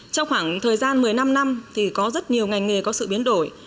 trong khoảng thời gian một mươi năm năm thì có rất nhiều ngành nghề có sự biến đổi